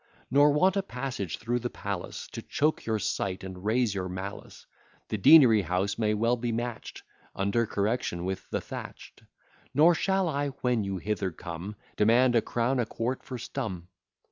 Nor want a passage through the palace, To choke your sight, and raise your malice. The Deanery house may well be match'd, Under correction, with the Thatch'd. Nor shall I, when you hither come, Demand a crown a quart for stum.